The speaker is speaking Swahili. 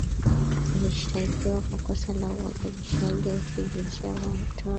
Alishtakiwa kwa kosa la udhalilishaji wa kijinsia kwa mtoto